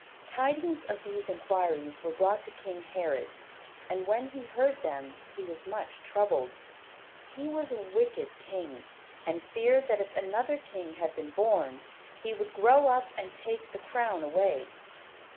Tidings of these inquiries were brought to King Herod, and when he heard them he was much troubled. He was a wicked king; and feared that if another king had been born, he would grow up and take the crown away.